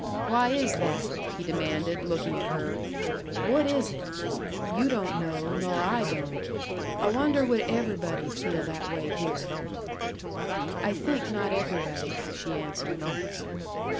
Why is that?" he demanded, looking at her. "What is it? You don't know, nor I don't. I wonder would everybody feel that way here?" "I think not everybody," she answered.